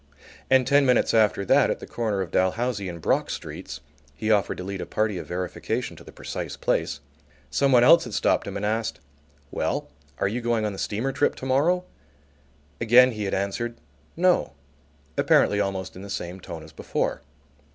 And ten minutes after that, at the corner of Dalhousie and Brock Streets (he offered to lead a party of verification to the precise place) somebody else had stopped him and asked: "Well, are you going on the steamer trip to morrow?" Again he had answered: "No," apparently almost in the same tone as before.